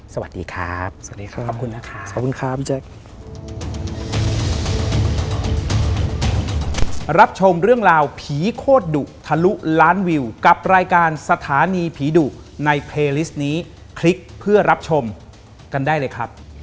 สวัสดีครับสวัสดีครับขอบคุณนะคะขอบคุณครับพี่แจ๊คดุล